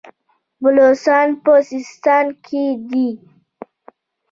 بلوڅان په سیستان کې دي.